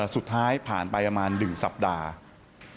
สุดท้ายผ่านไปประมาณ๑สัปดาห์